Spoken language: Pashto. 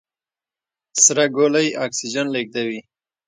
سره ګولۍ اکسیجن لېږدوي.